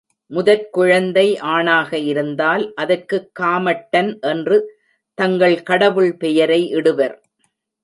முதற் குழந்தை ஆணாக இருந்தால், அதற்குக் காமட்டன் என்று தங்கள் கடவுள் பெயரை இடுவர்.